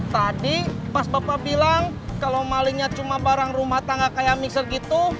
tadi pas bapak bilang kalau malingnya cuma barang rumah tangga kayak mixer gitu